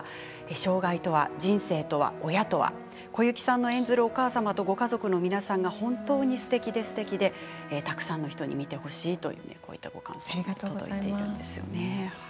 障害とは、人生とは、親とは小雪さんが演じるお母様とご家族の皆さんが本当にすてきで、すてきでたくさんの人に見てほしいというご感想が届いています。